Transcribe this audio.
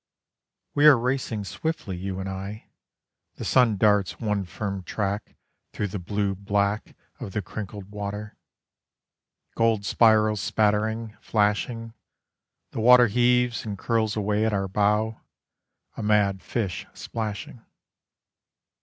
We are racing swiftly, you and I, The sun darts one firm track Through the blue black Of the crinkled water. Gold spirals spattering, flashing, The water heaves and curls away at our bow, A mad fish splashing.